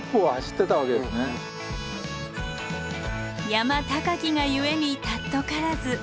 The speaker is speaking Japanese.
山高きが故に貴からず。